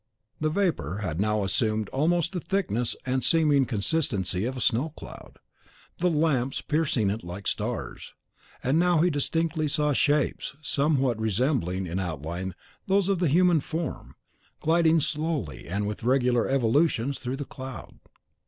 The vapour had now assumed almost the thickness and seeming consistency of a snow cloud; the lamps piercing it like stars. And now he distinctly saw shapes, somewhat resembling in outline those of the human form, gliding slowly and with regular evolutions through the cloud.